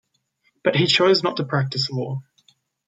But he chose not to practice law.